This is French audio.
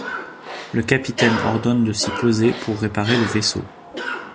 Le capitaine ordonne de s'y poser pour réparer le vaisseau.